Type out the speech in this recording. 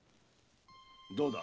どうだ？